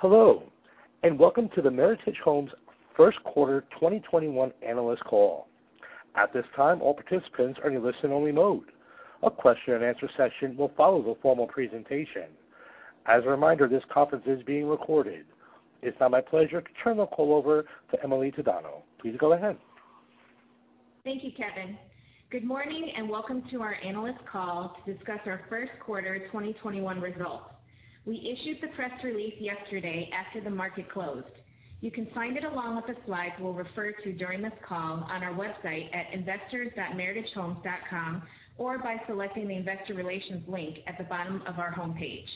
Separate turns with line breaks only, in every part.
Hello, welcome to the Meritage Homes first quarter 2021 analyst call. At this time, all participants are in listen only mode. A question-and-answer session will follow the formal presentation. As a reminder, this conference is being recorded. It's now my pleasure to turn the call over to Emily Tadano. Please go ahead.
Thank you, Kevin. Good morning, and welcome to our analyst call to discuss our first quarter 2021 results. We issued the press release yesterday after the market closed. You can find it along with the slides we'll refer to during this call on our website at investors.meritagehomes.com or by selecting the investor relations link at the bottom of our homepage.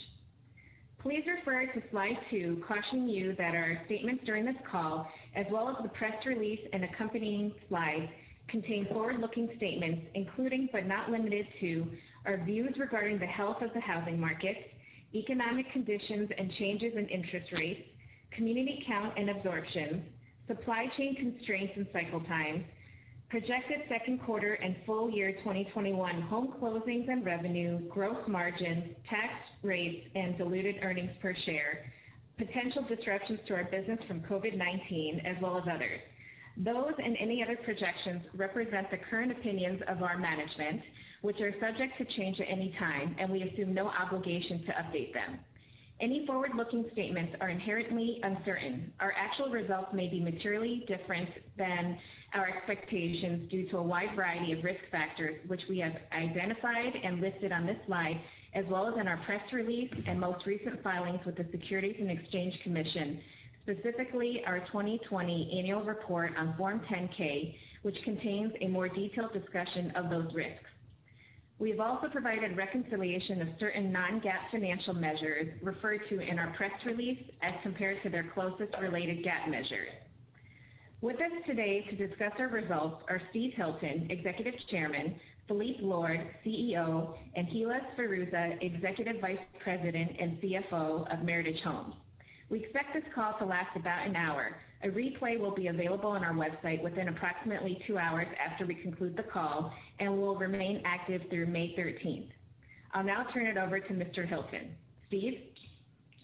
Please refer to Slide two cautioning you that our statements during this call, as well as the press release and accompanying slides, contain forward-looking statements, including but not limited to our views regarding the health of the housing market, economic conditions and changes in interest rates, community count and absorption, supply chain constraints and cycle times, projected second quarter and full-year 2021 home closings and revenue, gross margins, tax rates, and diluted earnings per share, potential disruptions to our business from COVID-19, as well as others. Those and any other projections represent the current opinions of our management, which are subject to change at any time, and we assume no obligation to update them. Any forward-looking statements are inherently uncertain. Our actual results may be materially different than our expectations due to a wide variety of risk factors, which we have identified and listed on this slide, as well as in our press release and most recent filings with the Securities and Exchange Commission, specifically our 2020 annual report on Form 10-K, which contains a more detailed discussion of those risks. We have also provided reconciliation of certain non-GAAP financial measures referred to in our press release as compared to their closest related GAAP measure. With us today to discuss our results are Steve Hilton, Executive Chairman, Phillippe Lord, CEO, and Hilla Sferruzza, Executive Vice President and CFO of Meritage Homes. We expect this call to last about an hour. A replay will be available on our website within approximately two hours after we conclude the call and will remain active through May 13th. I'll now turn it over to Mr. Hilton. Steve?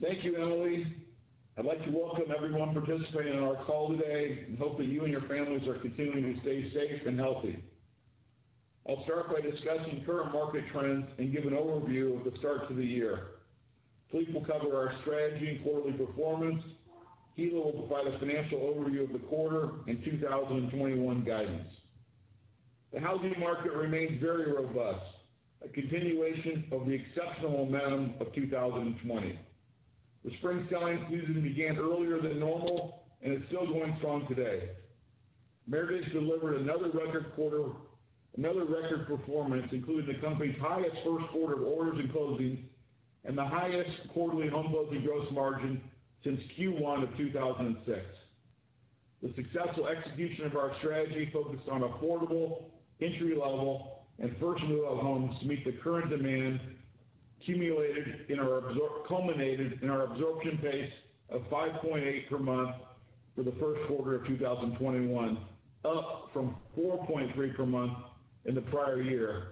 Thank you, Emily. I'd like to welcome everyone participating on our call today and hope that you and your families are continuing to stay safe and healthy. I'll start by discussing current market trends and give an overview of the start to the year. Phillippe will cover our strategy and quarterly performance. Hilla will provide a financial overview of the quarter and 2021 guidance. The housing market remains very robust, a continuation of the exceptional momentum of 2020. The spring selling season began earlier than normal and is still going strong today. Meritage delivered another record performance, including the company's highest first quarter of orders and closings, and the highest quarterly homebuilding gross margin since Q1 of 2006. The successful execution of our strategy focused on affordable, entry-level, and first move-up homes to meet the current demand culminated in our absorption pace of 5.8 per month for the first quarter of 2021, up from 4.3 per month in the prior year,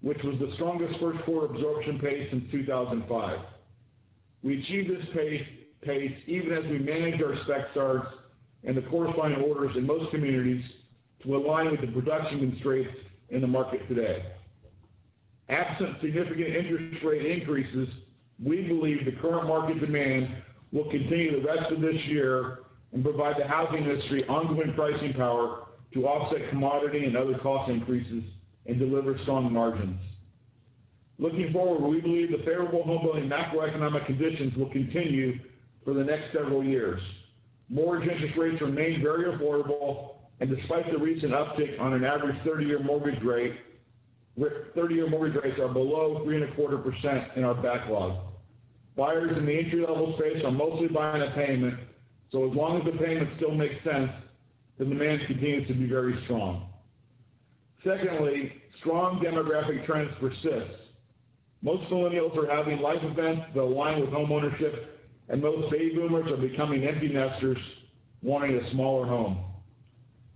which was the strongest first-quarter absorption pace since 2005. We achieved this pace even as we managed our spec starts and the corresponding orders in most communities to align with the production constraints in the market today. Absent significant interest rate increases, we believe the current market demand will continue the rest of this year and provide the housing industry ongoing pricing power to offset commodity and other cost increases and deliver strong margins. Looking forward, we believe the favorable homebuilding macroeconomic conditions will continue for the next several years. Mortgage interest rates remain very affordable, and despite the recent uptick on an average 30-year mortgage rate, 30-year mortgage rates are below 3.25% in our backlog. Buyers in the entry-level space are mostly buying a payment, so as long as the payment still makes sense, the demand continues to be very strong. Secondly, strong demographic trends persist. Most millennials are having life events that align with homeownership, and most baby boomers are becoming empty nesters wanting a smaller home.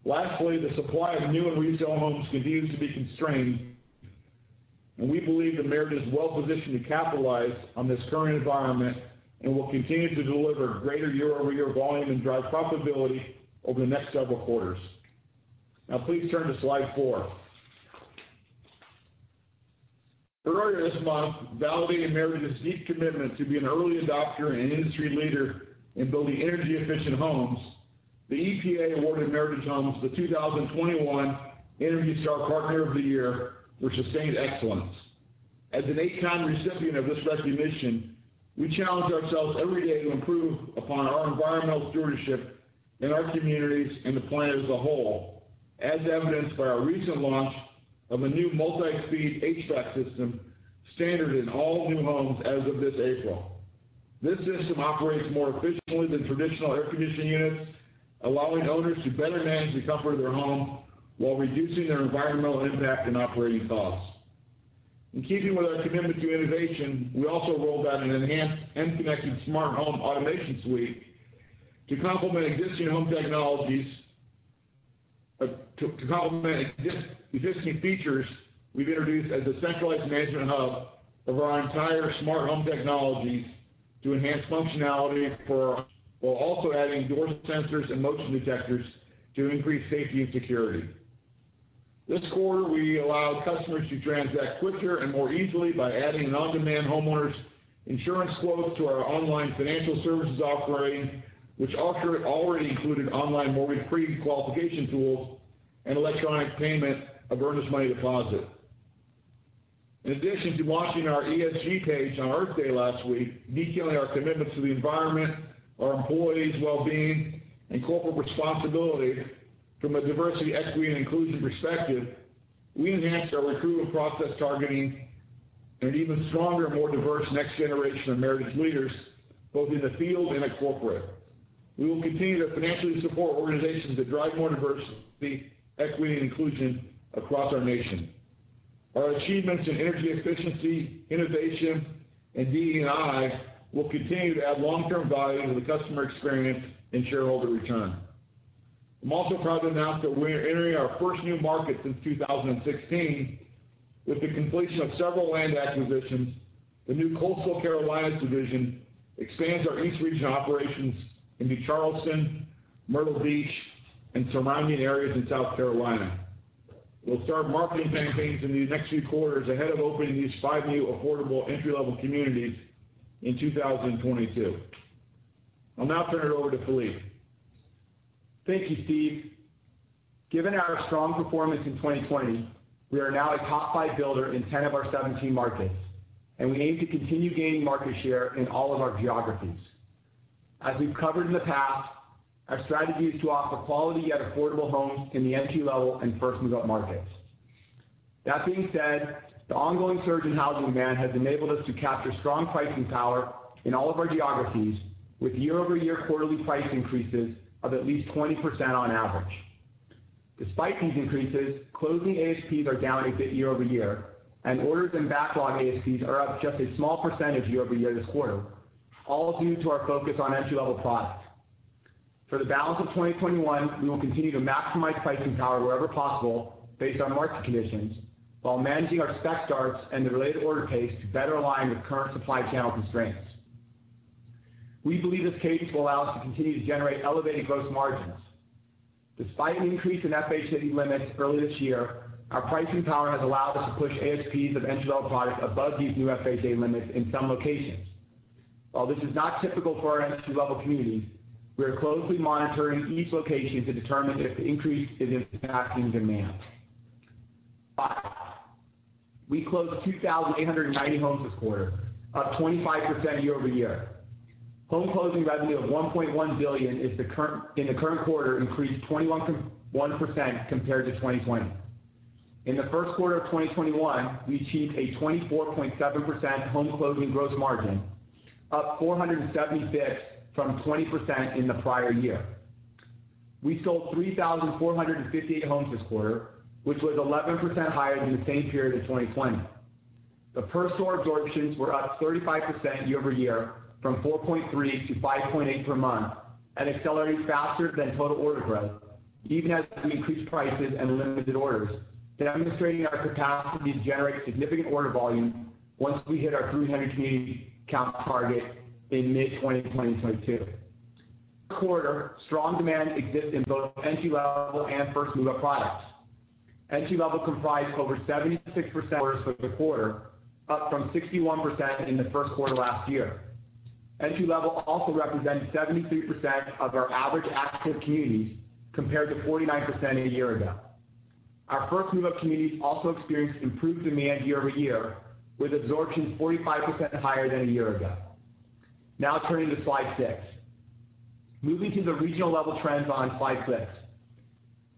Lastly, the supply of new and resale homes continues to be constrained, and we believe that Meritage is well positioned to capitalize on this current environment and will continue to deliver greater year-over-year volume and drive profitability over the next several quarters. Please turn to Slide four. Earlier this month, validating Meritage's deep commitment to be an early adopter and industry leader in building energy-efficient homes, the EPA awarded Meritage Homes the 2021 ENERGY STAR Partner of the Year for sustained excellence. As an eight-time recipient of this recognition, we challenge ourselves every day to improve upon our environmental stewardship in our communities and the planet as a whole, as evidenced by our recent launch of a new multi-speed HVAC system standard in all new homes as of this April. This system operates more efficiently than traditional air conditioning units, allowing owners to better manage the comfort of their home while reducing their environmental impact and operating costs. In keeping with our commitment to innovation, we also rolled out an enhanced M.Connected smart home automation suite to complement existing home technologies. To complement existing features, we've introduced as a centralized management hub of our entire smart home technologies to enhance functionality, while also adding door sensors and motion detectors to increase safety and security. This quarter, we allowed customers to transact quicker and more easily by adding an on-demand homeowners insurance quote to our online financial services offering, which already included online mortgage pre-qualification tools and electronic payment of earnest money deposit. In addition to launching our ESG page on Earth Day last week, detailing our commitments to the environment, our employees' well-being, and corporate responsibility from a diversity, equity, and inclusion perspective, we enhanced our recruitment process targeting an even stronger, more diverse next generation of Meritage leaders, both in the field and at corporate. We will continue to financially support organizations that drive more diversity, equity, and inclusion across our nation. Our achievements in energy efficiency, innovation, and DE&I will continue to add long-term value to the customer experience and shareholder return. I'm also proud to announce that we are entering our first new market since 2016. With the completion of several land acquisitions, the new Coastal Carolina division expands our East Region operations into Charleston, Myrtle Beach, and surrounding areas in South Carolina. We'll start marketing campaigns in these next few quarters ahead of opening these five new affordable entry-level communities in 2022. I'll now turn it over to Phillippe.
Thank you, Steve. Given our strong performance in 2020, we are now a top five builder in 10 of our 17 markets, and we aim to continue gaining market share in all of our geographies. As we've covered in the past, our strategy is to offer quality yet affordable homes in the entry-level and first move-up markets. That being said, the ongoing surge in housing demand has enabled us to capture strong pricing power in all of our geographies, with year-over-year quarterly price increases of at least 20% on average. Despite these increases, closing ASPs are down a bit year-over-year, and orders and backlog ASPs are up just a small percentage year-over-year this quarter, all due to our focus on entry-level products. For the balance of 2021, we will continue to maximize pricing power wherever possible based on market conditions, while managing our spec starts and the related order pace to better align with current supply channel constraints. We believe this cadence will allow us to continue to generate elevated gross margins. Despite an increase in FHA limits early this year, our pricing power has allowed us to push ASPs of entry-level products above these new FHA limits in some locations. While this is not typical for our entry-level communities, we are closely monitoring each location to determine if the increase is impacting demand. We closed 2,890 homes this quarter, up 25% year-over-year. Home closing revenue of $1.1 billion in the current quarter increased 21% compared to 2020. In the first quarter of 2021, we achieved a 24.7% home closing gross margin, up 470 bps from 20% in the prior year. We sold 3,458 homes this quarter, which was 11% higher than the same period in 2020. The per store absorptions were up 35% year-over-year from 4.3-5.8 per month and accelerating faster than total order growth, even as we increased prices and limited orders, demonstrating our capacity to generate significant order volume once we hit our 300 community count target in mid-2022. This quarter, strong demand exists in both entry-level and first move-up products. Entry-level comprised over 76% of the quarter, up from 61% in the first quarter last year. Entry-level also represented 73% of our average active communities, compared to 49% a year ago. Our first move-up communities also experienced improved demand year-over-year, with absorption 45% higher than a year ago. Now turning to Slide six. Moving to the regional level trends on Slide six.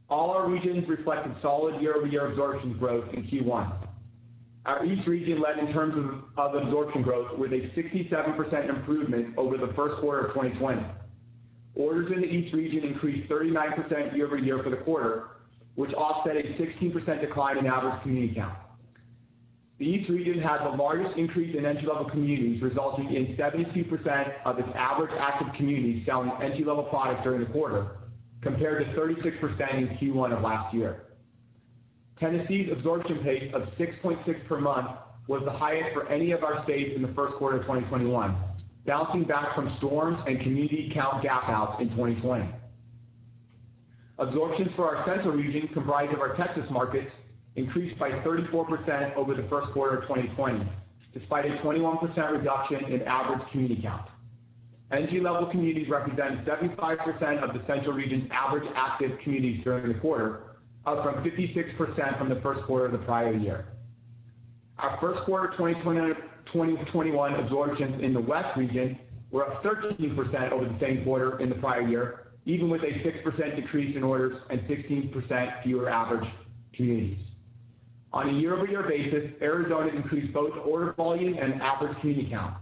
All our regions reflected solid year-over-year absorption growth in Q1. Our East Region led in terms of absorption growth with a 67% improvement over the first quarter of 2020. Orders in the East Region increased 39% year-over-year for the quarter, which offset a 16% decline in average community count. The East Region had the largest increase in entry-level communities, resulting in 72% of its average active communities selling entry-level products during the quarter, compared to 36% in Q1 of last year. Tennessee's absorption pace of 6.6 per month was the highest for any of our states in the first quarter of 2021, bouncing back from storms and community count gap-outs in 2020. Absorptions for our Central Region, comprised of our Texas markets, increased by 34% over the first quarter of 2020, despite a 21% reduction in average community count. Entry-level communities represented 75% of the Central Region's average active communities during the quarter, up from 56% from the first quarter of the prior year. Our first quarter 2021 absorptions in the West Region were up 13% over the same quarter in the prior year, even with a 6% decrease in orders and 16% fewer average communities. On a year-over-year basis, Arizona increased both order volume and average community count.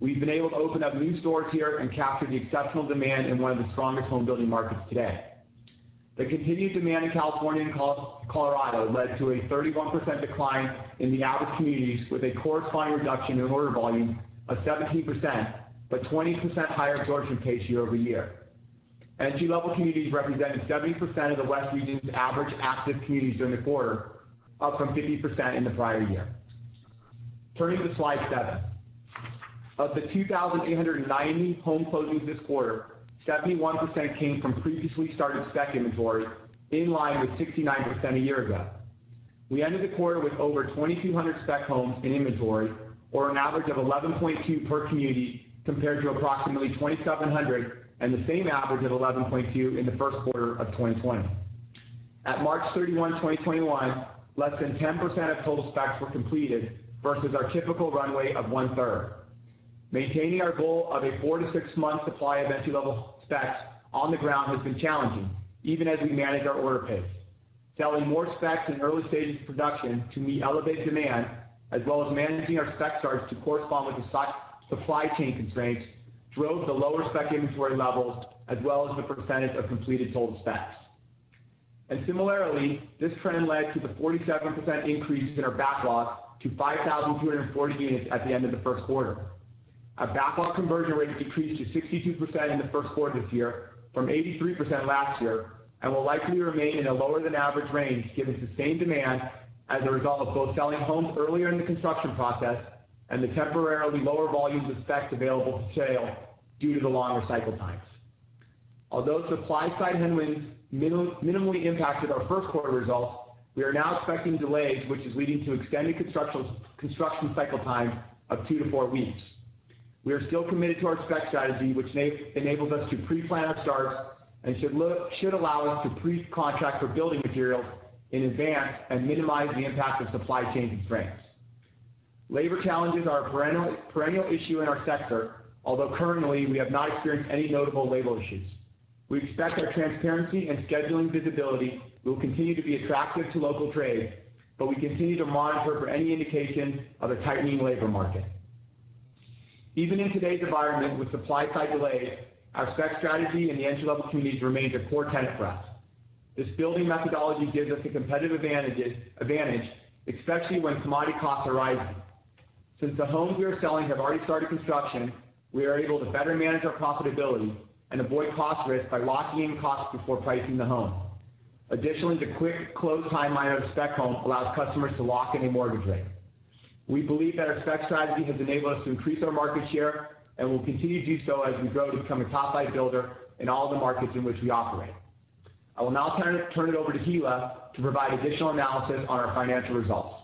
We've been able to open up new stores here and capture the exceptional demand in one of the strongest home building markets today. The continued demand in California and Colorado led to a 31% decline in the average communities with a corresponding reduction in order volume of 17%, but 20% higher absorption pace year-over-year. Entry-level communities represented 70% of the West Region's average active communities during the quarter, up from 50% in the prior year. Turning to Slide seven. Of the 2,890 home closings this quarter, 71% came from previously started spec inventory, in line with 69% a year ago. We ended the quarter with over 2,200 spec homes in inventory, or an average of 11.2 per community, compared to approximately 2,700 and the same average of 11.2 in the first quarter of 2020. At March 31, 2021, less than 10% of total specs were completed versus our typical runway of one-third. Maintaining our goal of a four to six-month supply of entry-level specs on the ground has been challenging, even as we manage our order pace. Selling more specs in early stages of production to meet elevated demand, as well as managing our spec starts to correspond with the supply chain constraints, drove the lower spec inventory levels, as well as the percentage of completed sold specs. Similarly, this trend led to the 47% increase in our backlogs to 5,240 units at the end of the first quarter. Our backlog conversion rate decreased to 62% in the first quarter this year from 83% last year, Will likely remain in a lower than average range given sustained demand as a result of both selling homes earlier in the construction process and the temporarily lower volumes of specs available for sale due to the longer cycle times. Although supply-side headwinds minimally impacted our first quarter results, we are now expecting delays, which is leading to extended construction cycle times of two to four weeks. We are still committed to our spec strategy, which enables us to pre-plan our starts and should allow us to pre-contract for building materials in advance and minimize the impact of supply chain constraints. Labor challenges are a perennial issue in our sector, although currently, we have not experienced any notable labor issues. We expect our transparency and scheduling visibility will continue to be attractive to local trades, but we continue to monitor for any indication of a tightening labor market. Even in today's environment with supply-side delays, our spec strategy and the entry-level communities remain a core tenet for us. This building methodology gives us a competitive advantage, especially when commodity costs are rising. Since the homes we are selling have already started construction, we are able to better manage our profitability and avoid cost risk by locking in costs before pricing the home. Additionally, the quick close timeline of a spec home allows customers to lock in a mortgage rate. We believe that our spec strategy has enabled us to increase our market share and will continue to do so as we grow to become a top five builder in all the markets in which we operate. I will now turn it over to Hilla to provide additional analysis on our financial results.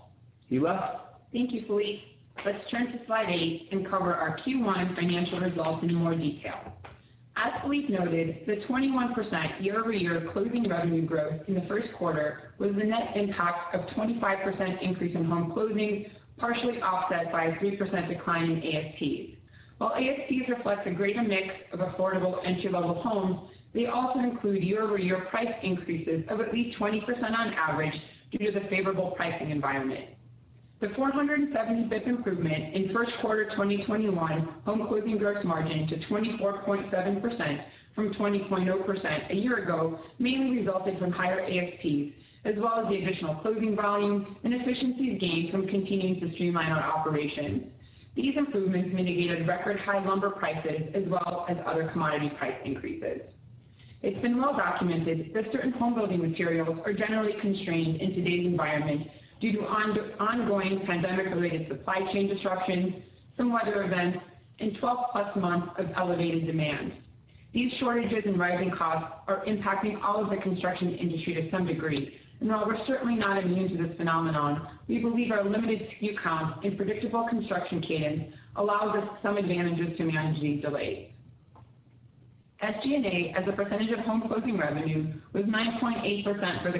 Hilla?
Thank you, Phillippe. Let's turn to slide eight and cover our Q1 financial results in more detail. As Phillippe noted, the 21% year-over-year closing revenue growth in the first quarter was the net impact of 25% increase in home closings, partially offset by a 3% decline in ASPs. While ASPs reflect a greater mix of affordable entry-level homes, they also include year-over-year price increases of at least 20% on average due to the favorable pricing environment. The 470 basis point improvement in first quarter 2021 home closing gross margin to 24.7% from 20.0% a year ago mainly resulted from higher ASPs as well as the additional closing volume and efficiencies gained from continuing to streamline our operations. These improvements mitigated record high lumber prices as well as other commodity price increases. It's been well documented that certain home building materials are generally constrained in today's environment due to ongoing pandemic-related supply chain disruptions, some weather events, and 12-plus months of elevated demand. These shortages and rising costs are impacting all of the construction industry to some degree, and while we're certainly not immune to this phenomenon, we believe our limited SKU count and predictable construction cadence allows us some advantages to manage these delays. SG&A as a percentage of home closing revenue was 9.8% for the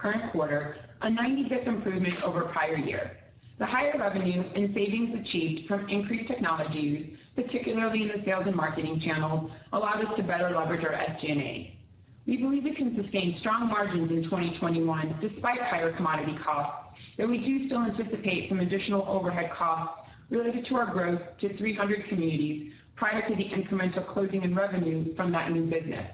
current quarter, a 90 basis point improvement over prior year. The higher revenues and savings achieved from increased technologies, particularly in the sales and marketing channel, allowed us to better leverage our SG&A. We believe we can sustain strong margins in 2021 despite higher commodity costs, though we do still anticipate some additional overhead costs related to our growth to 300 communities prior to the incremental closing and revenue from that new business.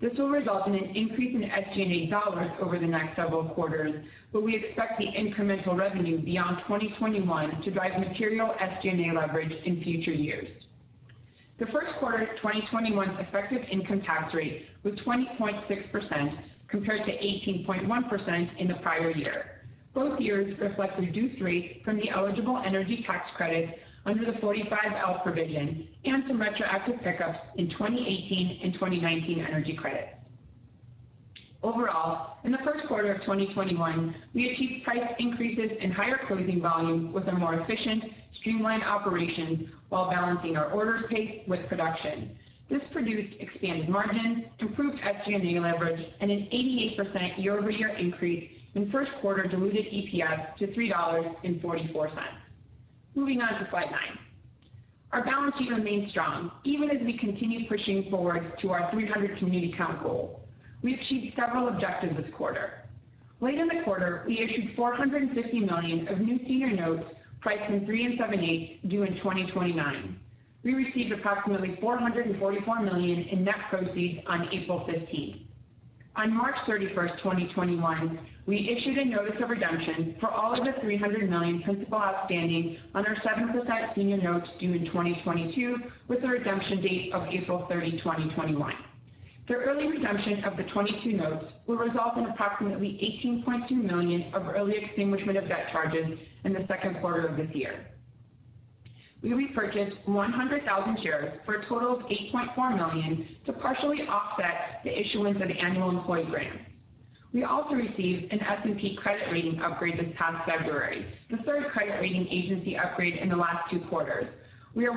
This will result in an increase in SG&A dollars over the next several quarters, but we expect the incremental revenue beyond 2021 to drive material SG&A leverage in future years. The first quarter 2021's effective income tax rate was 20.6% compared to 18.1% in the prior year. Both years reflect a reduced rate from the eligible energy tax credit under the 45L provision and some retroactive pickups in 2018 and 2019 energy credits. Overall, in the first quarter of 2021, we achieved price increases and higher closing volume with a more efficient, streamlined operation while balancing our orders pace with production. This produced expanded margins, improved SG&A leverage, and an 88% year-over-year increase in first quarter diluted EPS to $3.44. Moving on to Slide nine. Our balance sheet remains strong even as we continue pushing forward to our 300 community count goal. We achieved several objectives this quarter. Late in the quarter, we issued $450 million of new senior notes priced from 3.875% due in 2029. We received approximately $444 million in net proceeds on April 15th. On March 31st, 2021, we issued a notice of redemption for all of the $300 million principal outstanding on our 7% senior notes due in 2022 with a redemption date of April 30, 2021. The early redemption of the 2022 notes will result in approximately $18.2 million of early extinguishment of debt charges in the second quarter of this year. We repurchased 100,000 shares for a total of $8.4 million to partially offset the issuance of annual employee grants. We also received an S&P credit rating upgrade this past February, the third credit rating agency upgrade in the last two quarters. We are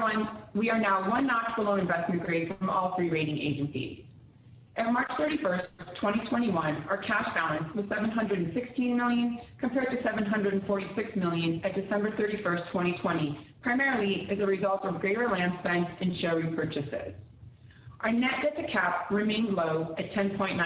now one notch below investment grade from all three rating agencies. At March 31st, 2021, our cash balance was $716 million compared to $746 million at December 31st, 2020, primarily as a result of greater land spend and share repurchases. Our net debt to cap remained low at 10.9%.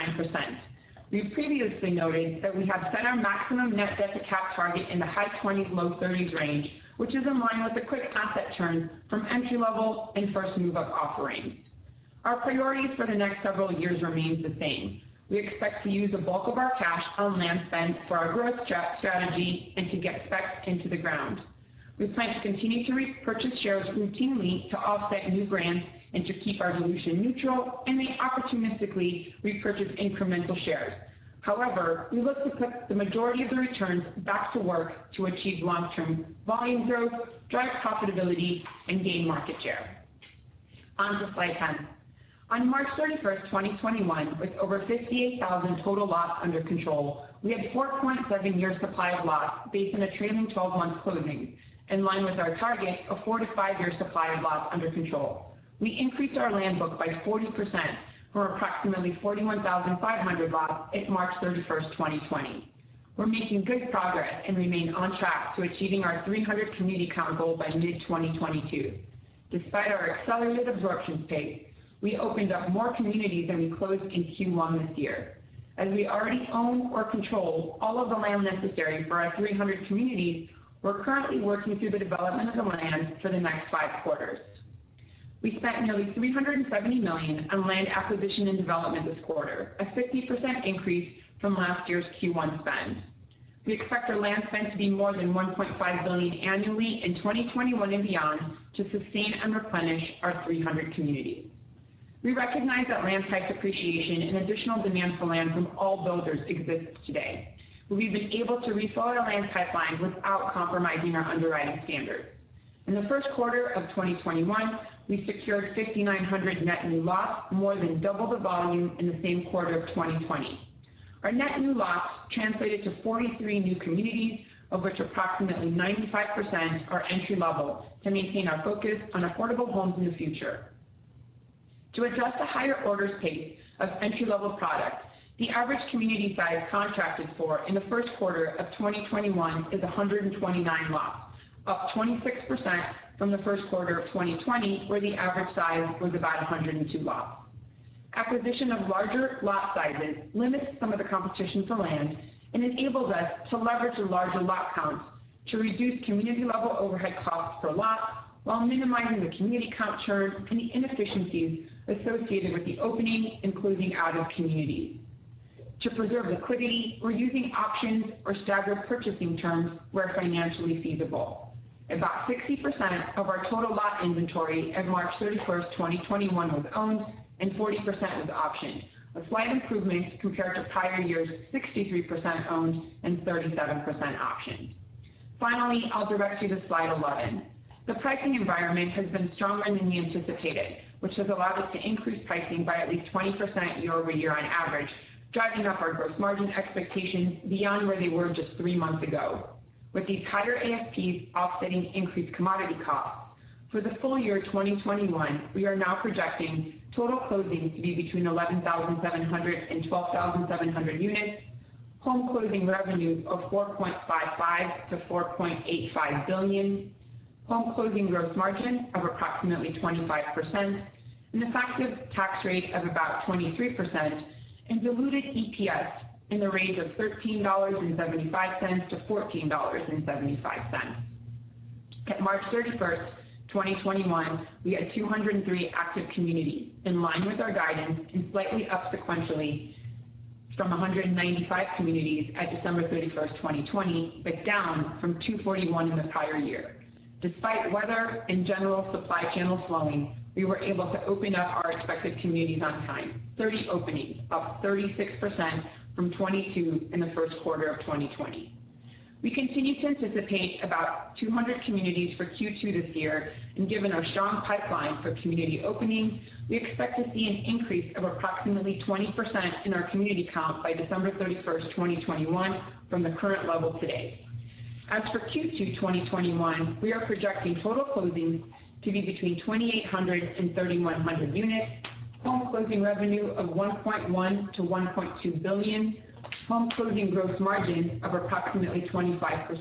We've previously noted that we have set our maximum net debt to cap target in the high 20s, low 30s range, which is in line with a quick asset turn from entry-level and first move-up offerings. Our priorities for the next several years remains the same. We expect to use the bulk of our cash on land spend for our growth strategy and to get specs into the ground. We plan to continue to repurchase shares routinely to offset new grants and to keep our dilution neutral, and may opportunistically repurchase incremental shares. However, we look to put the majority of the returns back to work to achieve long-term volume growth, drive profitability, and gain market share. On to Slide 10. On March 31, 2021, with over 58,000 total lots under control, we had 4.7 years supply of lots based on a trailing 12 months closing, in line with our target of four to five years supply of lots under control. We increased our land book by 40%, or approximately 41,500 lots at March 31st, 2020. We're making good progress and remain on track to achieving our 300 community count goal by mid-2022. Despite our accelerated absorption pace, we opened up more communities than we closed in Q1 this year. As we already own or control all of the land necessary for our 300 communities, we're currently working through the development of the land for the next five quarters. We spent nearly $370 million on land acquisition and development this quarter, a 50% increase from last year's Q1 spend. We expect our land spend to be more than $1.5 billion annually in 2021 and beyond to sustain and replenish our 300 communities. We recognize that land price appreciation and additional demand for land from all builders exists today. We've been able to refill our land pipeline without compromising our underwriting standards. In the first quarter of 2021, we secured 5,900 net new lots, more than double the volume in the same quarter of 2020. Our net new lots translated to 43 new communities, of which approximately 95% are entry-level, to maintain our focus on affordable homes in the future. To adjust to higher orders pace of entry-level products, the average community size contracted for in the first quarter of 2021 is 129 lots, up 26% from the first quarter of 2020, where the average size was about 102 lots. Acquisition of larger lot sizes limits some of the competition for land and enables us to leverage the larger lot counts to reduce community-level overhead costs per lot while minimizing the community count churn and the inefficiencies associated with the opening and closing out of communities. To preserve liquidity, we're using options or staggered purchasing terms where financially feasible. About 60% of our total lot inventory at March 31st, 2021 was owned and 40% was optioned, a slight improvement compared to prior year's 63% owned and 37% optioned. Finally, I'll direct you to Slide 11. The pricing environment has been stronger than we anticipated, which has allowed us to increase pricing by at least 20% year-over-year on average, driving up our gross margin expectations beyond where they were just three months ago. With these higher ASPs offsetting increased commodity costs, for the full-year 2021, we are now projecting total closings to be between 11,700 and 12,700 units, home closing revenues of $4.55 billion-$4.85 billion, home closing gross margin of approximately 25%, an effective tax rate of about 23%, and diluted EPS in the range of $13.75-$14.75. At March 31st, 2021, we had 203 active communities, in line with our guidance and slightly up sequentially from 195 communities at December 31st, 2020, but down from 241 in the prior year. Despite weather and general supply channel slowing, we were able to open up our expected communities on time, 30 openings, up 36% from 22 in the first quarter of 2020. We continue to anticipate about 200 communities for Q2 this year, and given our strong pipeline for community openings, we expect to see an increase of approximately 20% in our community count by December 31st, 2021 from the current level today. As for Q2 2021, we are projecting total closings to be between 2,800 and 3,100 units, home closing revenue of $1.1 billion-$1.2 billion, home closing gross margin of approximately 25%,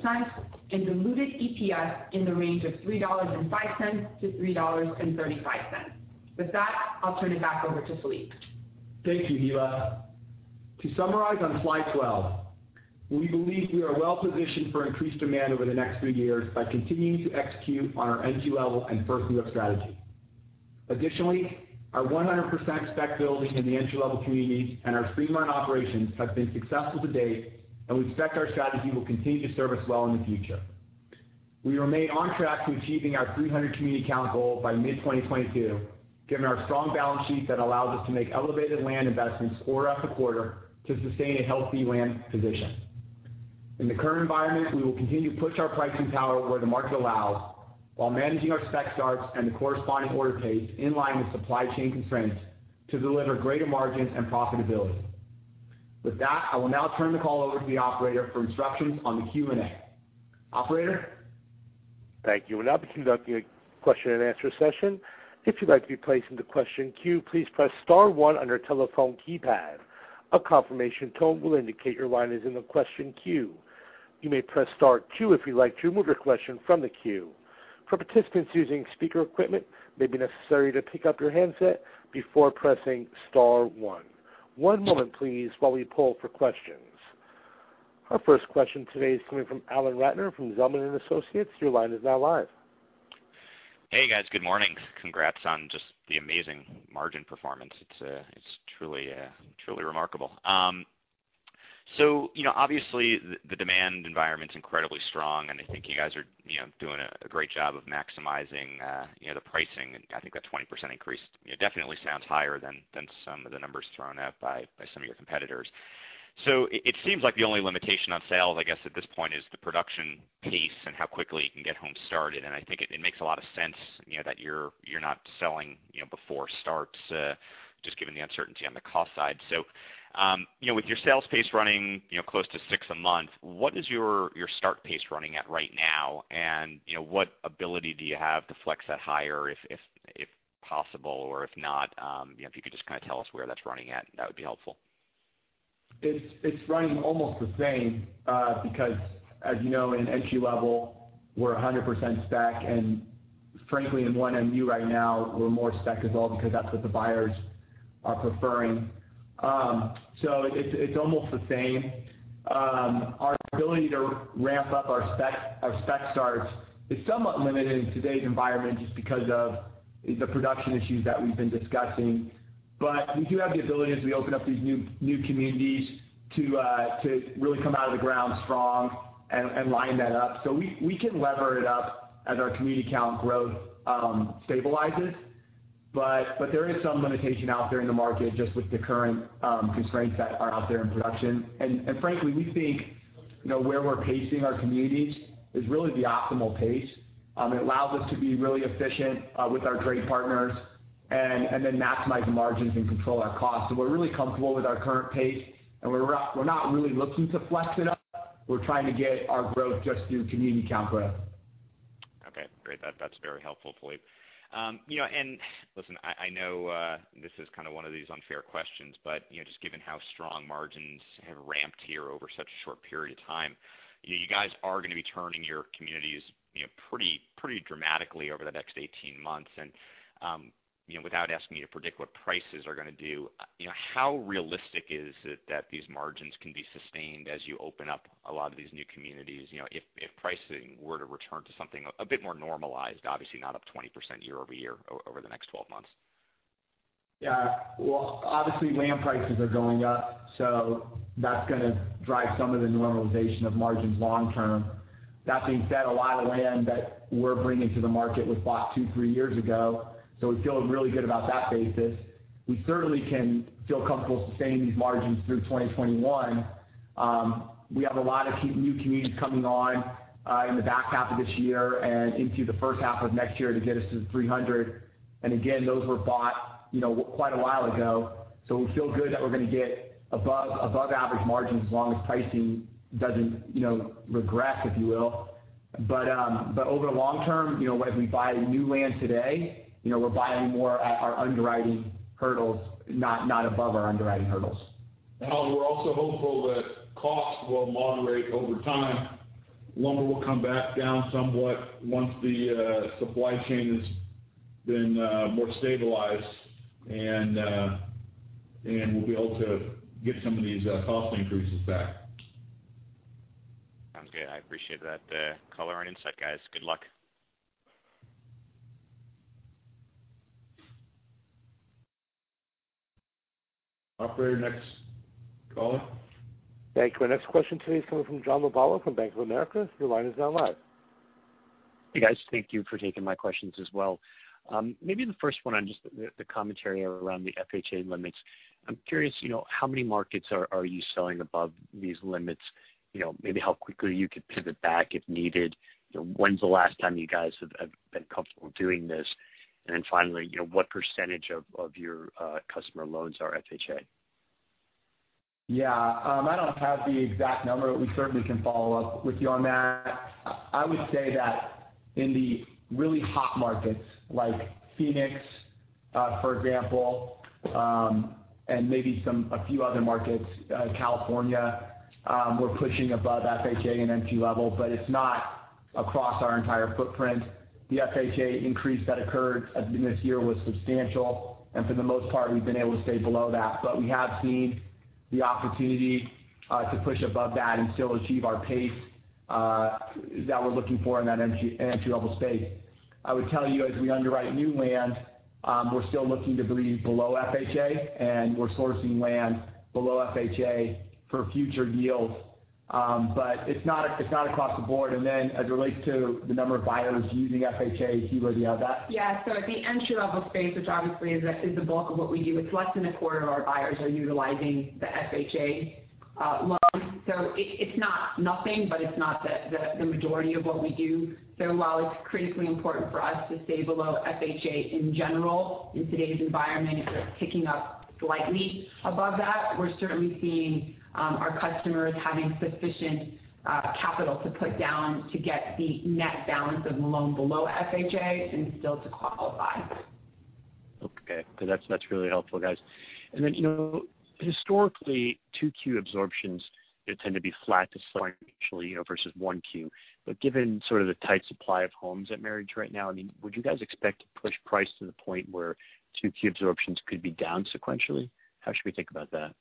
and diluted EPS in the range of $3.05-$3.35. With that, I'll turn it back over to Phillippe.
Thank you, Hilla. To summarize on Slide 12, we believe we are well-positioned for increased demand over the next few years by continuing to execute on our entry-level and first move-up strategy. Additionally, our 100% spec building in the entry-level communities and our streamlined operations have been successful to date, and we expect our strategy will continue to serve us well in the future. We remain on track to achieving our 300 community count goal by mid-2022, given our strong balance sheet that allows us to make elevated land investments quarter after quarter to sustain a healthy land position. In the current environment, we will continue to push our pricing power where the market allows, while managing our spec starts and the corresponding order pace in line with supply chain constraints to deliver greater margins and profitability. With that, I will now turn the call over to the operator for instructions on the Q&A. Operator?
Thank you we can now begin the question-and-answer session. If you would like to be placed in the question queue please press star one on your telephone keypad. A confirmation tone will indicate your line is in the question queue. You may press star two if you would like to remove your question from the queue. For participants using speaker equipment it may be necessary to pick up your handset before pressing star one. One moment please while we pause for question. Our first question today is coming from Alan Ratner from Zelman & Associates. Your line is now live.
Hey, guys. Good morning. Congrats on just the amazing margin performance. It's truly remarkable. Obviously, the demand environment's incredibly strong, and I think you guys are doing a great job of maximizing the pricing. I think that 20% increase definitely sounds higher than some of the numbers thrown out by some of your competitors. It seems like the only limitation on sales, I guess, at this point is the production pace and how quickly you can get homes started, and I think it makes a lot of sense that you're not selling before starts, just given the uncertainty on the cost side. With your sales pace running close to six a month, what is your start pace running at right now? What ability do you have to flex that higher if possible, or if not if you could just kind of tell us where that's running at, that would be helpful.
It's running almost the same, because as you know, in entry-level, we're 100% spec, and frankly, in first move-up right now, we're more spec as well because that's what the buyers are preferring. It's almost the same. Our ability to ramp up our spec starts is somewhat limited in today's environment just because of the production issues that we've been discussing. We do have the ability as we open up these new communities to really come out of the ground strong and line that up. We can lever it up as our community count growth stabilizes. There is some limitation out there in the market, just with the current constraints that are out there in production. Frankly, we think where we're pacing our communities is really the optimal pace. It allows us to be really efficient with our trade partners and then maximize the margins and control our costs. We're really comfortable with our current pace, and we're not really looking to flex it up. We're trying to get our growth just through community count growth.
Okay, great. That's very helpful, Phillippe. Listen, I know this is kind of one of these unfair questions, but just given how strong margins have ramped here over such a short period of time, you guys are going to be turning your communities pretty dramatically over the next 18 months. Without asking you to predict what prices are going to do, how realistic is it that these margins can be sustained as you open up a lot of these new communities? If pricing were to return to something a bit more normalized, obviously not up 20% year-over-year over the next 12 months.
Yeah. Well, obviously, land prices are going up, so that's going to drive some of the normalization of margins long term. That being said, a lot of land that we're bringing to the market was bought two, three years ago, so we feel really good about that basis. We certainly can feel comfortable sustaining these margins through 2021. We have a lot of new communities coming on in the back half of this year and into the first half of next year to get us to the 300. Again, those were bought quite a while ago, so we feel good that we're going to get above-average margins as long as pricing doesn't regress, if you will. Over the long term, as we buy new land today, we're buying more at our underwriting hurdles, not above our underwriting hurdles.
Alan, we're also hopeful that costs will moderate over time. Lumber will come back down somewhat once the supply chain has been more stabilized, and we'll be able to get some of these cost increases back.
Sounds good. I appreciate that color and insight, guys. Good luck.
Operator, next caller.
Thank you. Our next question today is coming from John Lovallo from Bank of America. Your line is now live.
Hey, guys. Thank you for taking my questions as well. Maybe the first one on just the commentary around the FHA limits. I'm curious, how many markets are you selling above these limits? Maybe how quickly you could pivot back if needed? When's the last time you guys have been comfortable doing this? Finally, what percentage of your customer loans are FHA?
Yeah. I don't have the exact number, but we certainly can follow up with you on that. I would say that in the really hot markets, like Phoenix, for example, and maybe a few other markets, California, we're pushing above FHA and entry-level, but it's not across our entire footprint. The FHA increase that occurred at the beginning of this year was substantial, and for the most part, we've been able to stay below that. We have seen the opportunity to push above that and still achieve our pace that we're looking for in that entry-level space. I would tell you, as we underwrite new land, we're still looking to be below FHA, and we're sourcing land below FHA for future deals. It's not across the board. As it relates to the number of buyers using FHA, do you want to add that?
At the entry-level space, which obviously is the bulk of what we do, it's less than a quarter of our buyers are utilizing the FHA loan. It's not nothing, but it's not the majority of what we do. While it's critically important for us to stay below FHA in general, in today's environment, it's ticking up slightly above that. We're certainly seeing our customers having sufficient capital to put down to get the net balance of the loan below FHA and still to qualify.
Okay. That's really helpful, guys. Historically, 2Q absorptions tend to be flat to sequentially versus 1Q. Given sort of the tight supply of homes at Meritage right now, would you guys expect to push price to the point where 2Q absorptions could be down sequentially? How should we think about that?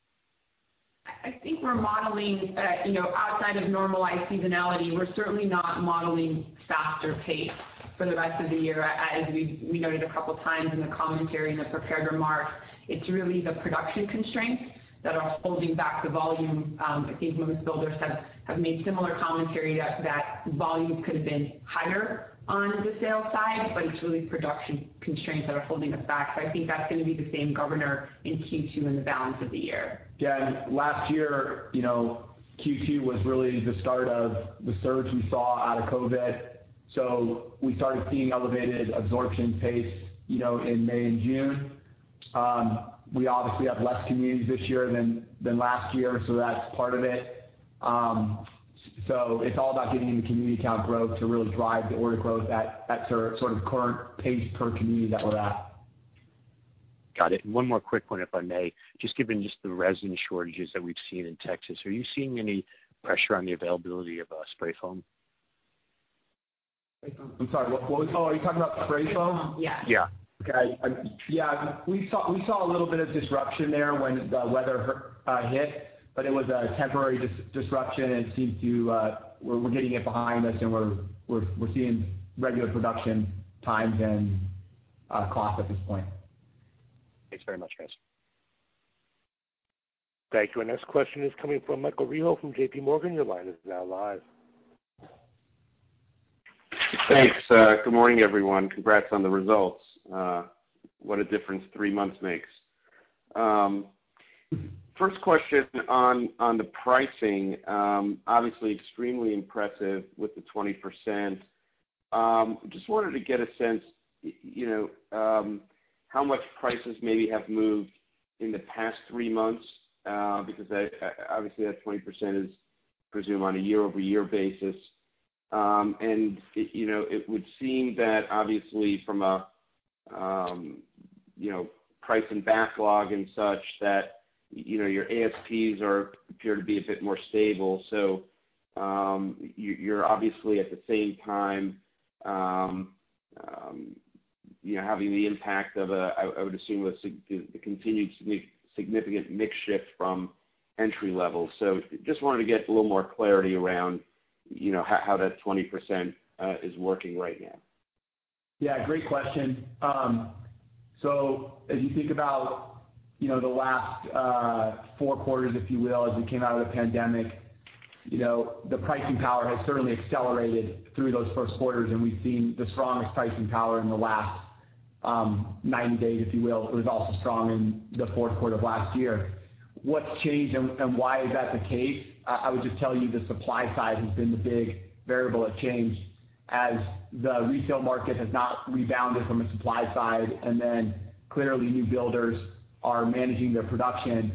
I think outside of normalized seasonality, we're certainly not modeling faster pace for the rest of the year. As we noted a couple of times in the commentary, in the prepared remarks, it's really the production constraints that are holding back the volume. I think most builders have made similar commentary that volumes could have been higher on the sales side, but it's really production constraints that are holding us back. I think that's going to be the same governor in Q2 and the balance of the year.
Last year, Q2 was really the start of the surge we saw out of COVID. We started seeing elevated absorption pace in May and June. We obviously have less communities this year than last year, that's part of it. It's all about getting the community count growth to really drive the order growth at sort of current pace per community that we're at.
Got it. One more quick one, if I may. Just given the resin shortages that we've seen in Texas, are you seeing any pressure on the availability of spray foam?
I'm sorry. Oh, are you talking about spray foam?
Yeah.
Yeah.
Okay. Yeah. We saw a little bit of disruption there when the weather hit, but it was a temporary disruption. We're getting it behind us, and we're seeing regular production times and cost at this point.
Thanks very much, guys.
Thank you. Our next question is coming from Michael Rehaut from JPMorgan. Your line is now live.
Thanks. Good morning, everyone. Congrats on the results. What a difference three months makes. First question on the pricing. Obviously extremely impressive with the 20%. Just wanted to get a sense, how much prices maybe have moved in the past three months. Obviously that 20% is presumed on a year-over-year basis. It would seem that obviously from a price and backlog and such, that your ASPs appear to be a bit more stable. You're obviously at the same time having the impact of, I would assume, the continued significant mix shift from entry level. Just wanted to get a little more clarity around how that 20% is working right now.
Great question. As you think about the last 4 quarters, if you will, as we came out of the pandemic, the pricing power has certainly accelerated through those first quarters, and we've seen the strongest pricing power in the last 90 days, if you will. It was also strong in the fourth quarter of last year. What's changed and why is that the case? I would just tell you the supply side has been the big variable that changed as the resale market has not rebounded from a supply side. Clearly, new builders are managing their production.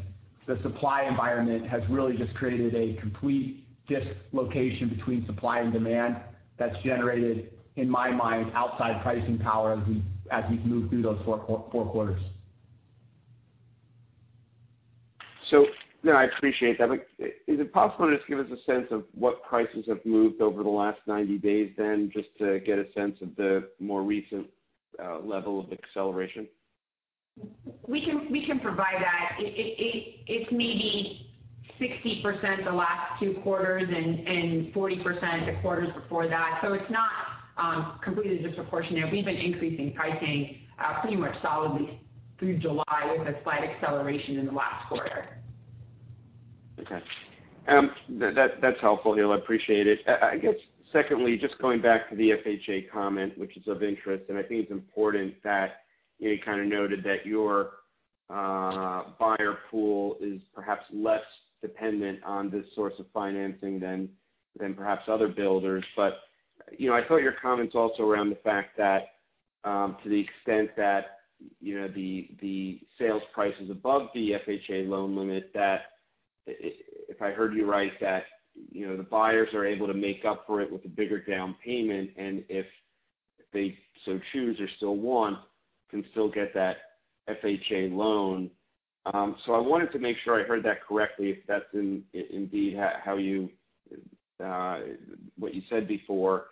The supply environment has really just created a complete dislocation between supply and demand that's generated, in my mind, outside pricing power as we've moved through those four quarters.
No, I appreciate that. Is it possible to just give us a sense of what prices have moved over the last 90 days then, just to get a sense of the more recent level of acceleration?
We can provide that. It's maybe 60% the last two quarters and 40% the quarters before that. It's not completely disproportionate. We've been increasing pricing pretty much solidly through July with a slight acceleration in the last quarter.
Okay. That's helpful, Hilla. Appreciate it. I guess secondly, just going back to the FHA comment, which is of interest, and I think it's important that you kind of noted that your buyer pool is perhaps less dependent on this source of financing than perhaps other builders. But I thought your comments also around the fact that to the extent that the sales price is above the FHA loan limit, that if I heard you right, that the buyers are able to make up for it with a bigger down payment, and if they so choose or still want, can still get that FHA loan. I wanted to make sure I heard that correctly, if that's indeed what you said before.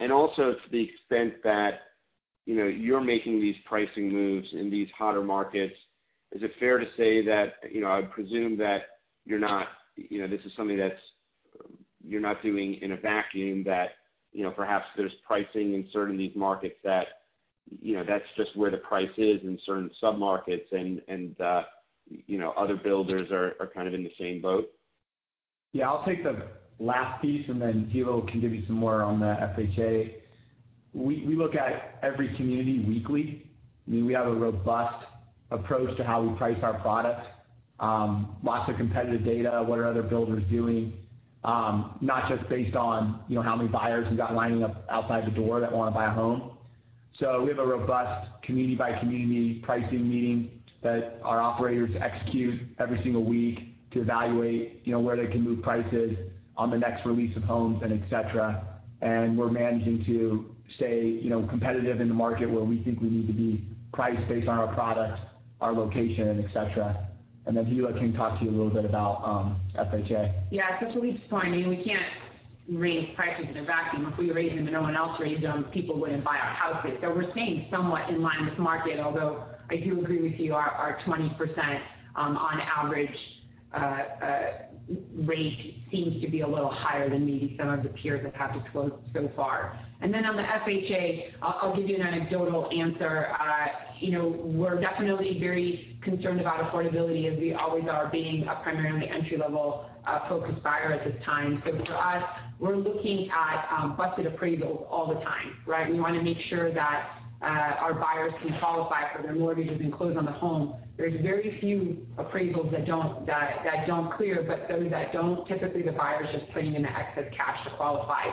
Also to the extent that you're making these pricing moves in these hotter markets, is it fair to say that, I would presume that this is something that's? You're not doing in a vacuum that perhaps there's pricing in certain of these markets that's just where the price is in certain sub-markets and other builders are in the same boat?
I'll take the last piece, then Hilla can give you some more on the FHA. We look at every community weekly. We have a robust approach to how we price our product. Lots of competitive data. What are other builders doing? Not just based on how many buyers we got lining up outside the door that want to buy a home. We have a robust community by community pricing meeting that our operators execute every single week to evaluate where they can move prices on the next release of homes and et cetera. We're managing to stay competitive in the market where we think we need to be priced based on our product, our location, et cetera. Then Hilla can talk to you a little bit about FHA.
Yeah. To Phillippe's point, we can't raise prices in a vacuum. If we raise them and no one else raised them, people wouldn't buy our houses. We're staying somewhat in line with market, although I do agree with you, our 20% on average rate seems to be a little higher than maybe some of the peers that have reported so far. On the FHA, I'll give you an anecdotal answer. We're definitely very concerned about affordability as we always are, being a primarily entry-level focused buyer at this time. For us, we're looking at busted appraisals all the time, right? We want to make sure that our buyers can qualify for their mortgages and close on the home. There's very few appraisals that don't clear, but those that don't, typically the buyer's just putting in the excess cash to qualify.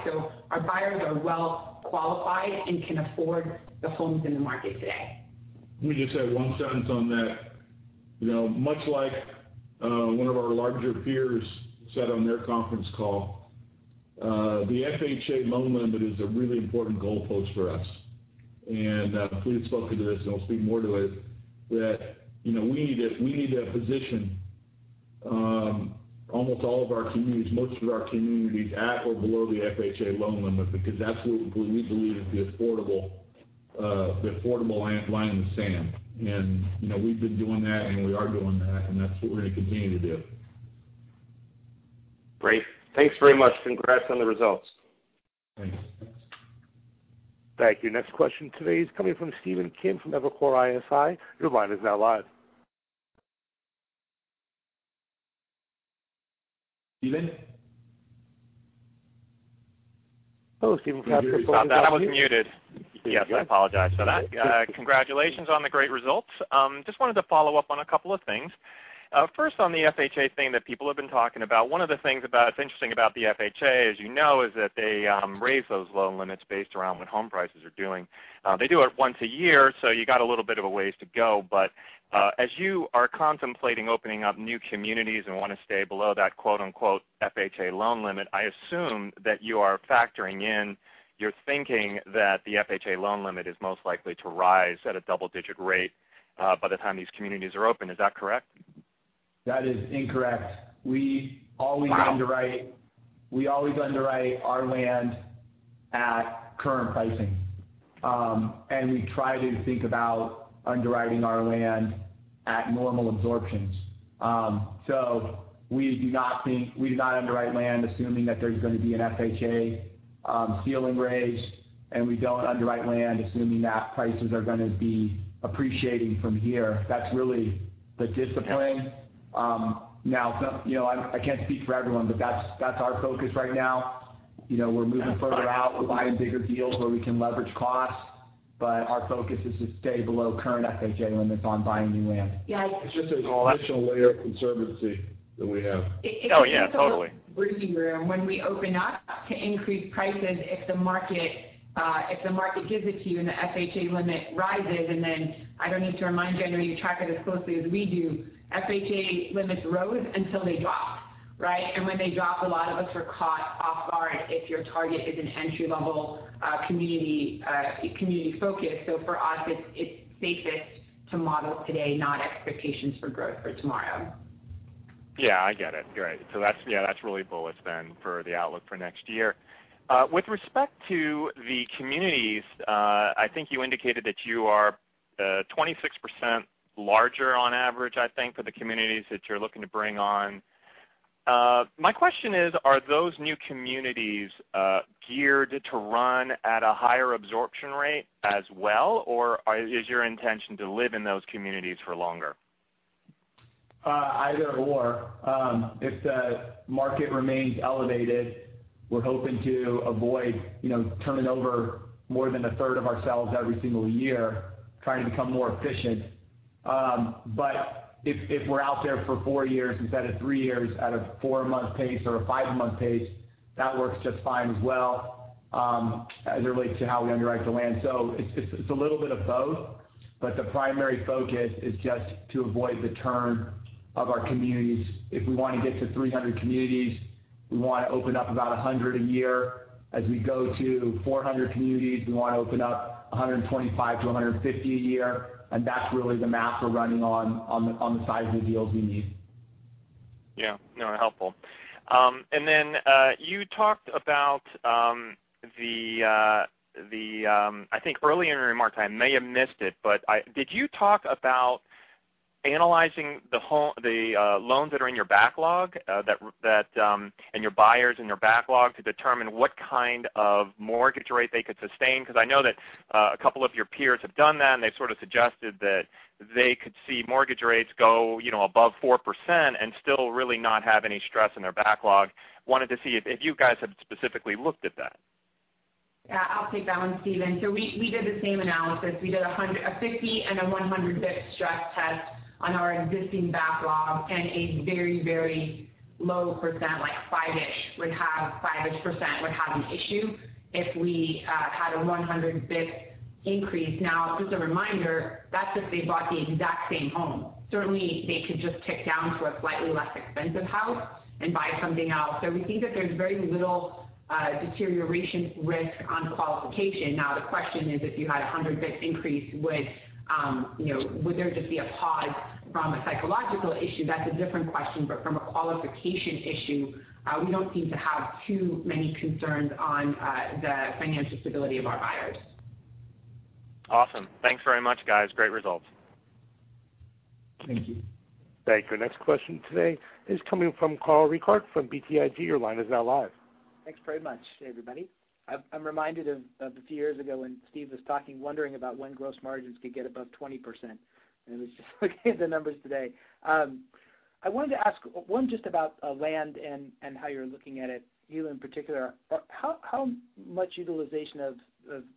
Our buyers are well-qualified and can afford the homes in the market today.
Let me just add one sentence on that. Much like one of our larger peers said on their conference call, the FHA loan limit is a really important goalpost for us. Phillippe spoke to this, and I'll speak more to it, that we need to position almost all of our communities, most of our communities at or below the FHA loan limit, because that's what we believe is the affordable line in the sand. We've been doing that, and we are doing that, and that's what we're going to continue to do.
Great. Thanks very much. Congrats on the results.
Thanks.
Thank you. Next question today is coming from Stephen Kim from Evercore ISI. Your line is now live.
Steven?
Hello, Stephen Kim.
Sorry about that, I was muted. There you go. Yes, I apologize for that. Yeah. Congratulations on the great results. Just wanted to follow up on a couple of things. First on the FHA thing that people have been talking about. One of the things that's interesting about the FHA, as you know, is that they raise those loan limits based around what home prices are doing. They do it once a year, so you got a little bit of a ways to go, but as you are contemplating opening up new communities and want to stay below that quote, unquote, FHA loan limit, I assume that you are factoring in your thinking that the FHA loan limit is most likely to rise at a double-digit rate by the time these communities are open. Is that correct?
That is incorrect.
Wow.
We always underwrite our land at current pricing. We try to think about underwriting our land at normal absorptions. We do not underwrite land assuming that there's going to be an FHA ceiling raise, and we don't underwrite land assuming that prices are going to be appreciating from here. That's really the discipline.
Yeah.
I can't speak for everyone, but that's our focus right now. We're moving further out. We're buying bigger deals where we can leverage costs, but our focus is to stay below current FHA limits on buying new land.
Yeah.
It's just an additional layer of conservancy that we have.
Oh, yeah. Totally.
It gives us a little breathing room when we open up to increase prices if the market gives it to you and the FHA limit rises, and then I don't need to remind you, I know you track it as closely as we do. FHA limits rose until they drop, right? When they drop, a lot of us are caught off guard if your target is an entry-level community focus. For us, it's safest to model today, not expectations for growth for tomorrow.
Yeah, I get it. Great. That's really bullish for the outlook for next year. With respect to the communities, I think you indicated that you are 26% larger on average, I think, for the communities that you're looking to bring on. My question is, are those new communities geared to run at a higher absorption rate as well, or is your intention to live in those communities for longer?
Either/or. If the market remains elevated, we're hoping to avoid turning over more than a third of our sales every single year, trying to become more efficient. If we're out there for four years instead of three years at a four-month pace or a five-month pace, that works just fine as well as it relates to how we underwrite the land. It's a little bit of both, but the primary focus is just to avoid the turn of our communities. If we want to get to 300 communities, we want to open up about 100 a year. As we go to 400 communities, we want to open up 125-150 a year. That's really the math we're running on the size of the deals we need.
Yeah. No, helpful. I think early in your remarks, I may have missed it, but did you talk about analyzing the loans that are in your backlog, and your buyers in your backlog to determine what kind of mortgage rate they could sustain, because I know that a couple of your peers have done that, and they've sort of suggested that they could see mortgage rates go above 4% and still really not have any stress in their backlog? Wanted to see if you guys have specifically looked at that?
Yeah, I'll take that one, Stephen. We did the same analysis. We did a 50 and a 100 bip stress test on our existing backlog, and a very, very low 5-ish% would have an issue if we had a 100 bip increase. Just a reminder, that's if they bought the exact same home. Certainly, they could just tick down to a slightly less expensive house and buy something else. We think that there's very little deterioration risk on qualification. The question is, if you had a 100 bip increase, would there just be a pause from a psychological issue? That's a different question. From a qualification issue, we don't seem to have too many concerns on the financial stability of our buyers.
Awesome. Thanks very much, guys. Great results.
Thank you.
Thank you. Our next question today is coming from Carl Reichardt from BTIG. Your line is now live.
Thanks very much. Hey, everybody. I'm reminded of a few years ago when Steve was talking, wondering about when gross margins could get above 20%. It was just looking at the numbers today. I wanted to ask, one, just about land and how you're looking at it, you in particular. How much utilization of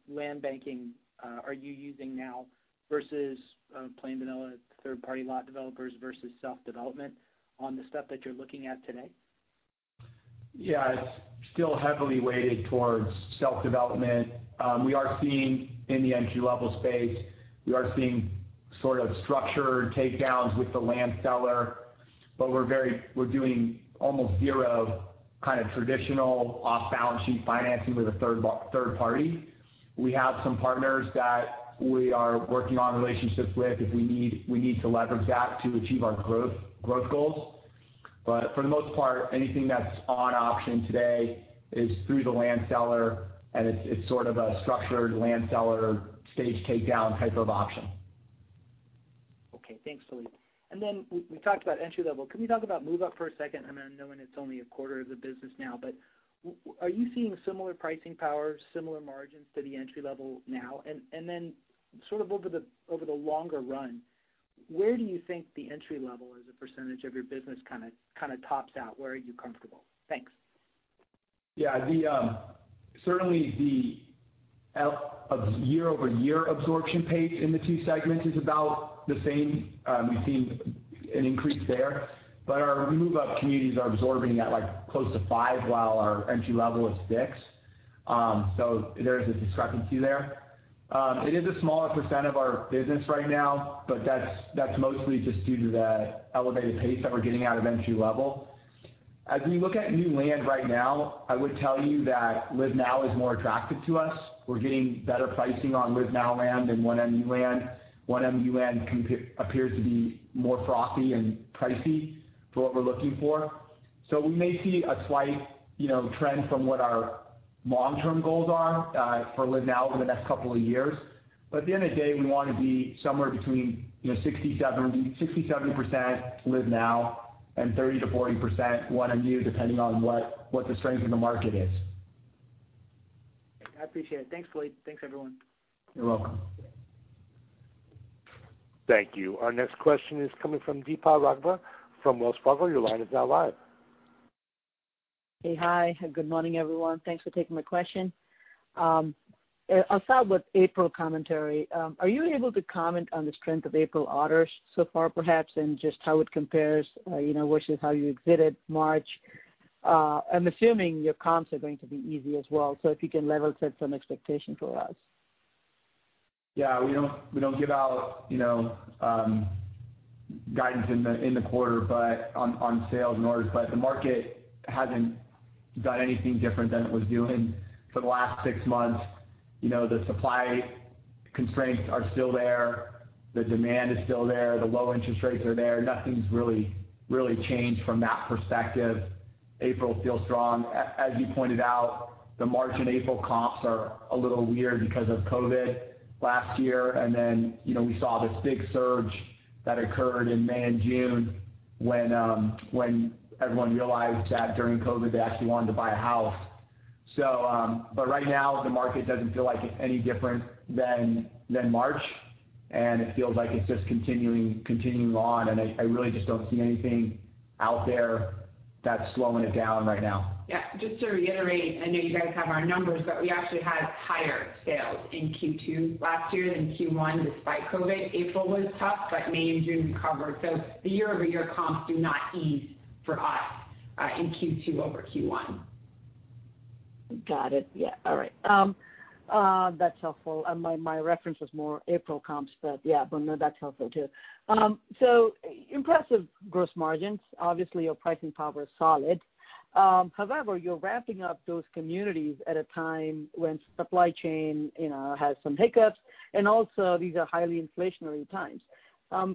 land banking are you using now versus plain vanilla third-party lot developers versus self-development on the stuff that you're looking at today?
Yeah. It's still heavily weighted towards self-development. We are seeing in the entry-level space, we are seeing sort of structured takedowns with the land seller, but we're doing almost zero kind of traditional off-balance sheet financing with a third party. We have some partners that we are working on relationships with if we need to leverage that to achieve our growth goals. For the most part, anything that's on auction today is through the land seller, and it's sort of a structured land seller stage takedown type of auction.
Okay. Thanks, Phillippe. We talked about entry level. Can we talk about move-up for a second? I mean, I know it's only a quarter of the business now, but are you seeing similar pricing power, similar margins to the entry level now? Sort of over the longer run, where do you think the entry level as a percentage of your business kind of tops out? Where are you comfortable? Thanks.
Yeah. Certainly the year-over-year absorption pace in the two segments is about the same. We've seen an increase there. Our move-up communities are absorbing at close to five, while our entry level is six. There is a discrepancy there. It is a smaller percent of our business right now, but that's mostly just due to the elevated pace that we're getting out of entry level. As we look at new land right now, I would tell you that LiVE.NOW. is more attractive to us. We're getting better pricing on LiVE.NOW. land than 1MU land. 1MU land appears to be more frothy and pricey for what we're looking for. We may see a slight trend from what our long-term goals are for LiVE.NOW. over the next couple of years. At the end of the day, we want to be somewhere between 60%-70% LiVE.NOW. and 30%-40% 1MU, depending on what the strength of the market is.
I appreciate it. Thanks, Phillippe. Thanks, everyone.
You're welcome.
Thank you. Our next question is coming from Deepa Raghavan from Wells Fargo. Your line is now live.
Hey. Hi, and good morning, everyone. Thanks for taking my question. I'll start with April commentary. Are you able to comment on the strength of April orders so far, perhaps, and just how it compares versus how you exited March? I'm assuming your comps are going to be easy as well, so if you can level set some expectation for us.
Yeah. We don't give out guidance in the quarter on sales and orders. The market hasn't done anything different than it was doing for the last six months. The supply constraints are still there. The demand is still there. The low interest rates are there. Nothing's really changed from that perspective. April is still strong. As you pointed out, the March and April comps are a little weird because of COVID last year. We saw this big surge that occurred in May and June when everyone realized that during COVID, they actually wanted to buy a house. Right now, the market doesn't feel like it's any different than March, and it feels like it's just continuing on, and I really just don't see anything out there that's slowing it down right now.
Yeah. Just to reiterate, I know you guys have our numbers, we actually had higher sales in Q2 last year than Q1, despite COVID. April was tough, May and June recovered. The year-over-year comps do not ease for us in Q2 over Q1.
Got it. Yeah. All right. That's helpful. My reference was more April comps, but yeah, but no, that's helpful, too. Impressive gross margins. Obviously, your pricing power is solid. However, you're ramping up those communities at a time when supply chain has some hiccups, and also, these are highly inflationary times.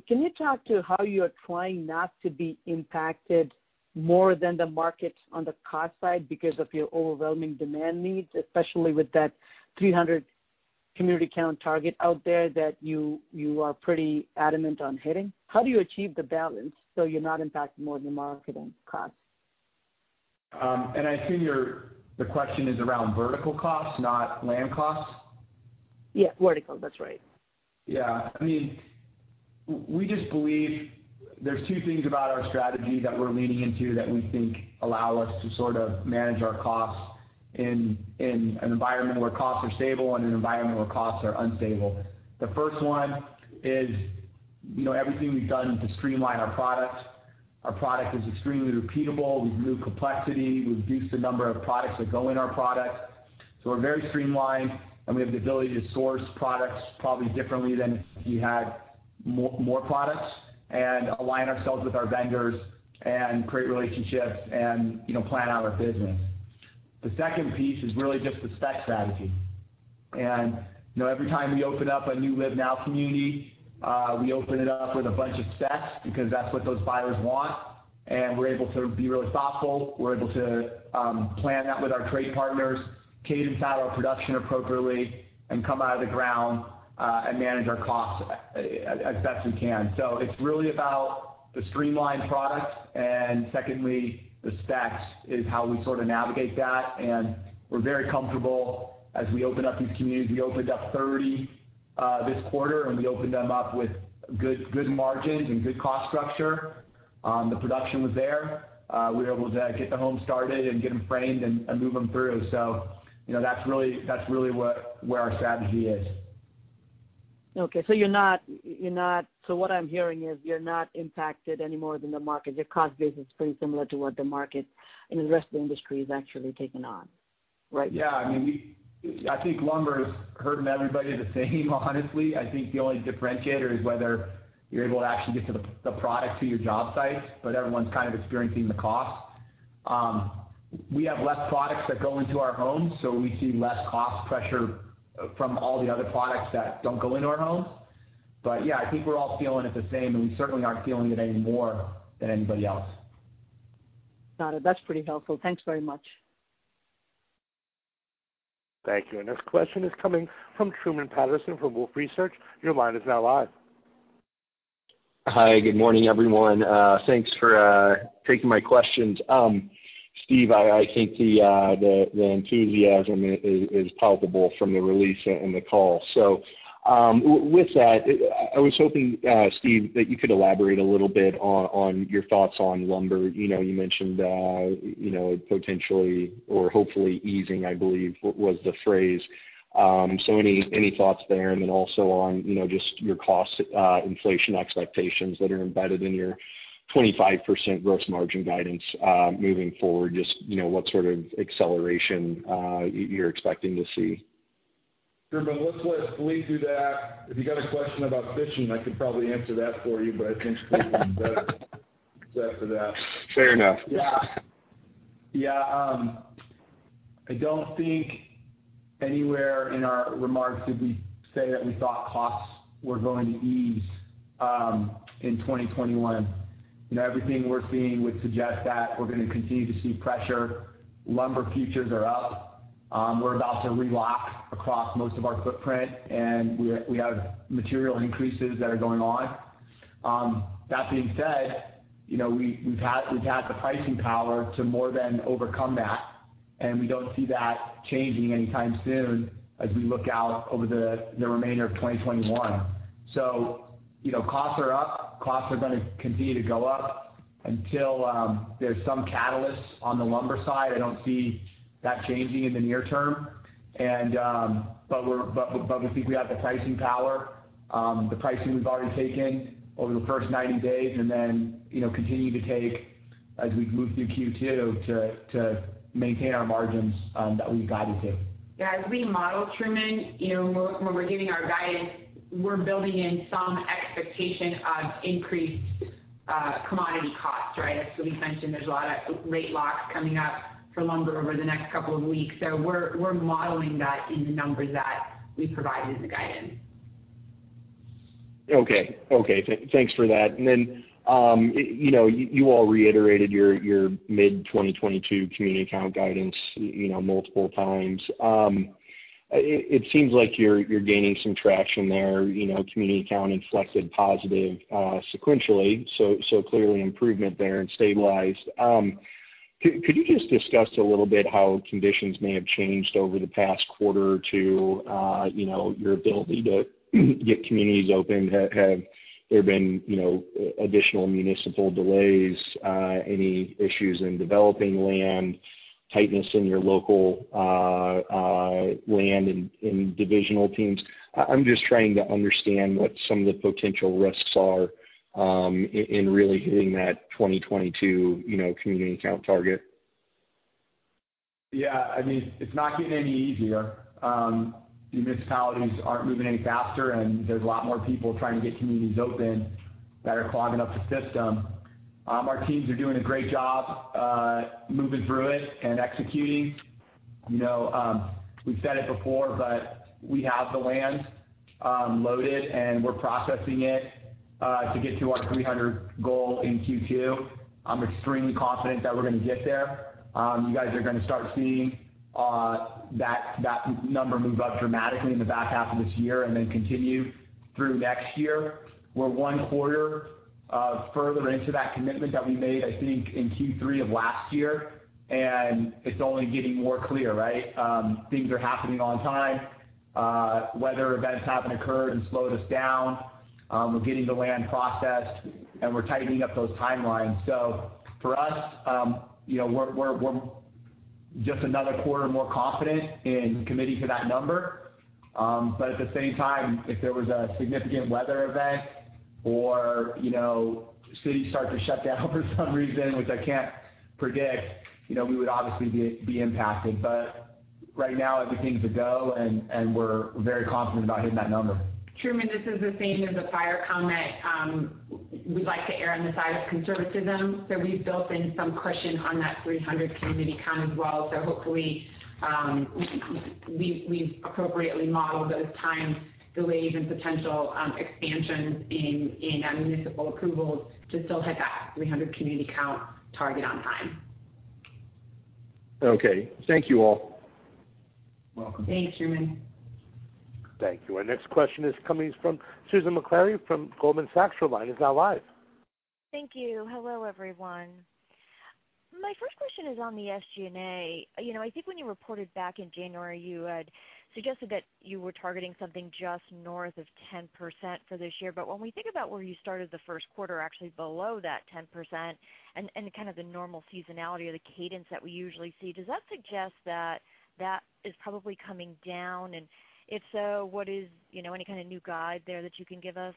Can you talk to how you are trying not to be impacted more than the market on the cost side because of your overwhelming demand needs, especially with that 300 community count target out there that you are pretty adamant on hitting? How do you achieve the balance so you're not impacting more than marketing costs?
I assume the question is around vertical costs, not land costs?
Yeah. Vertical, that's right.
Yeah. We just believe there's two things about our strategy that we're leaning into that we think allow us to sort of manage our costs in an environment where costs are stable and an environment where costs are unstable. The first one is everything we've done to streamline our products. Our product is extremely repeatable. We've removed complexity. We've reduced the number of products that go in our product. We're very streamlined, and we have the ability to source products probably differently than if we had more products, and align ourselves with our vendors and create relationships and plan out our business. The second piece is really just the spec strategy. Every time we open up a new LiVE.NOW. community, we open it up with a bunch of specs, because that's what those buyers want. We're able to be really thoughtful. We're able to plan that with our trade partners, cadence out our production appropriately, and come out of the ground, and manage our costs as best we can. It's really about the streamlined product, and secondly, the specs is how we sort of navigate that. We're very comfortable as we open up these communities. We opened up 30 this quarter, and we opened them up with good margins and good cost structure. The production was there. We were able to get the homes started and get them framed and move them through. That's really where our strategy is.
What I’m hearing is you’re not impacted any more than the market. Your cost base is pretty similar to what the market and the rest of the industry is actually taking on, right?
Yeah. I think lumber is hurting everybody the same, honestly. I think the only differentiator is whether you're able to actually get the product to your job sites. Everyone's kind of experiencing the cost. We have less products that go into our homes, so we see less cost pressure from all the other products that don't go into our homes. Yeah, I think we're all feeling it the same, and we certainly aren't feeling it any more than anybody else.
Got it. That's pretty helpful. Thanks very much.
Thank you. Next question is coming from Truman Patterson from Wolfe Research. Your line is now live.
Hi. Good morning, everyone. Thanks for taking my questions. Steve, I think the enthusiasm is palpable from the release and the call. With that, I was hoping, Steve, that you could elaborate a little bit on your thoughts on lumber. You mentioned potentially or hopefully easing, I believe was the phrase. Any thoughts there, and then also on just your cost inflation expectations that are embedded in your 25% gross margin guidance, moving forward, just what sort of acceleration you're expecting to see.
Truman, let's let Blake do that. If you got a question about fishing, I could probably answer that for you, but I think Blake's better suited for that.
Fair enough.
Yeah. I don't think anywhere in our remarks did we say that we thought costs were going to ease in 2021. Everything we're seeing would suggest that we're going to continue to see pressure. Lumber futures are up. We're about to relock across most of our footprint, and we have material increases that are going on. That being said, we've had the pricing power to more than overcome that, and we don't see that changing anytime soon as we look out over the remainder of 2021. Costs are up. Costs are going to continue to go up until there's some catalyst on the lumber side. I don't see that changing in the near term. We think we have the pricing power, the pricing we've already taken over the first 90 days, and then continue to take as we move through Q2 to maintain our margins that we've guided to.
Yeah. As we model, Truman, when we're giving our guidance, we're building in some expectation of increased commodity costs, right? As Steve mentioned, there's a lot of rate locks coming up for lumber over the next couple of weeks. We're modeling that in the numbers that we provided as a guidance.
Okay. Thanks for that. You all reiterated your mid-2022 community count guidance multiple times. It seems like you're gaining some traction there. Community counting flexed positive sequentially, so clearly improvement there, and stabilized. Could you just discuss a little bit how conditions may have changed over the past quarter to your ability to get communities open? Have there been additional municipal delays, any issues in developing land, tightness in your local land in divisional teams? I'm just trying to understand what some of the potential risks are, in really hitting that 2022 community count target.
Yeah. It's not getting any easier. The municipalities aren't moving any faster, and there's a lot more people trying to get communities open that are clogging up the system. Our teams are doing a great job moving through it and executing. We've said it before, but we have the land loaded, and we're processing it to get to our 300 goal in Q2. I'm extremely confident that we're going to get there. You guys are going to start seeing that number move up dramatically in the back half of this year and then continue through next year. We're one quarter further into that commitment that we made, I think, in Q3 of last year. It's only getting more clear. Things are happening on time. Weather events haven't occurred and slowed us down. We're getting the land processed, and we're tightening up those timelines. For us, we're just another quarter more confident in committing to that number. At the same time, if there was a significant weather event or cities start to shut down for some reason, which I can't predict, we would obviously be impacted. Right now, everything's a go, and we're very confident about hitting that number.
Truman, this is Hilla. As a prior comment, we like to err on the side of conservatism, we've built in some cushion on that 300 community count as well. Hopefully, we've appropriately modeled those time delays and potential expansions in municipal approvals to still hit that 300 community count target on time.
Okay. Thank you, all.
Welcome.
Thanks, Truman.
Thank you. Our next question is coming from Susan Maklari from Goldman Sachs. Your line is now live.
Thank you. Hello, everyone. My first question is on the SG&A. I think when you reported back in January, you had suggested that you were targeting something just north of 10% for this year. When we think about where you started the first quarter, actually below that 10%, and the normal seasonality or the cadence that we usually see, does that suggest that that is probably coming down? If so, what is any kind of new guide there that you can give us?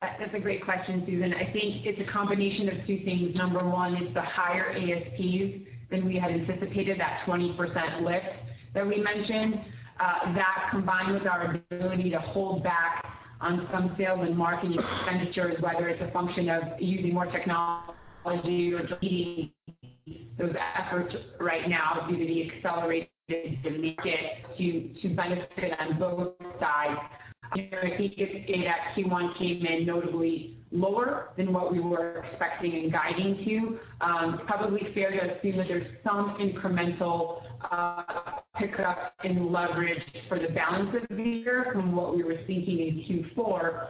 That's a great question, Susan. I think it's a combination of two things. Number one is the higher ASPs than we had anticipated, that 20% lift that we mentioned. That, combined with our ability to hold back on some sales and marketing expenditures, whether it's a function of using more technology or deleting those efforts right now due to the accelerated demand to benefit on both sides. I think if Q1 came in notably lower than what we were expecting and guiding to, probably fair to assume that there's some incremental pickup in leverage for the balance of the year from what we were thinking in Q4.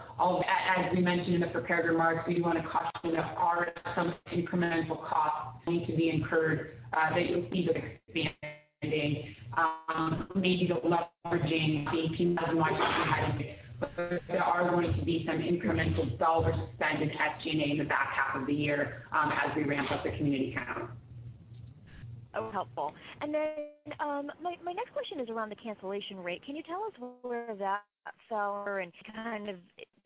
As we mentioned in the prepared remarks, we want to caution that are some incremental costs going to be incurred that you'll see with expanding, maybe leveraging the 1,000. There are going to be some incremental dollar spent in SG&A in the back half of the year as we ramp up the community count.
Oh, helpful. My next question is around the cancellation rate. Can you tell us where that fell or any kind of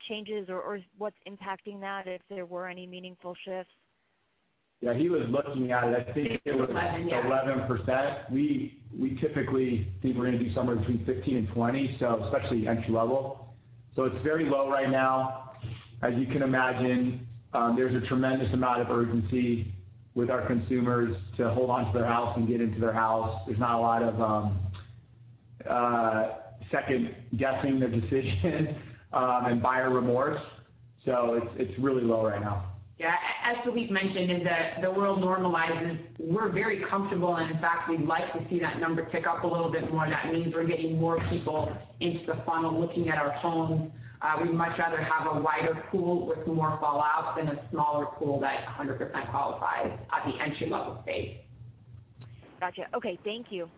changes or what's impacting that, if there were any meaningful shifts?
Yeah. Hilla's looking at it. I think it was 11%. We typically think we're going to be somewhere between 15% and 20%, especially entry level. It's very low right now. As you can imagine, there's a tremendous amount of urgency with our consumers to hold onto their house and get into their house. There's not a lot of second-guessing their decision and buyer remorse. It's really low right now.
Yeah. As Phillippe mentioned, as the world normalizes, we're very comfortable, and in fact, we'd like to see that number tick up a little bit more. That means we're getting more people into the funnel looking at our homes. We'd much rather have a wider pool with more fallouts than a smaller pool that 100% qualifies at the entry-level phase.
Got you. Okay. Thank you.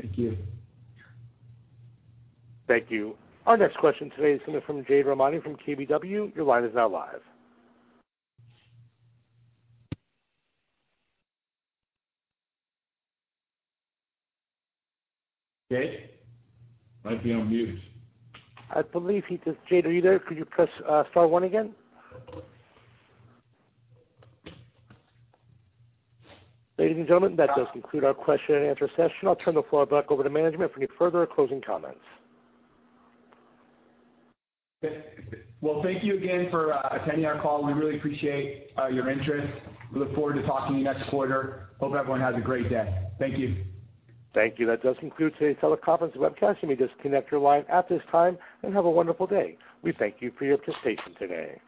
Thank you.
Thank you. Our next question today is coming from Jade Rahmani from KBW. Your line is now live.
Jade? Might be on mute.
Jade, are you there? Could you press star one again? Ladies and gentlemen, that does conclude our question-and-answer session. I'll turn the floor back over to management for any further closing comments.
Well, thank you again for attending our call. We really appreciate your interest. We look forward to talking to you next quarter. Hope everyone has a great day. Thank you.
Thank you. That does conclude today's teleconference and webcast. You may disconnect your line at this time, and have a wonderful day. We thank you for your participation today.